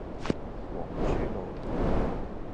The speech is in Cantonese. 皇珠路